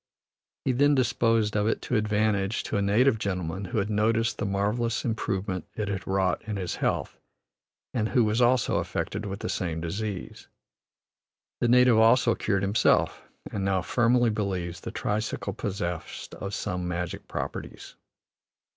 He then disposed of it to advantage to a native gentleman who had noted the marvellous improvement it had wrought in his health, and who was also affected with the same disease. The native also cured himself, and now firmly believes the tricycle possessed of some magic properties.